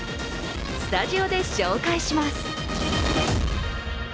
スタジオで紹介します。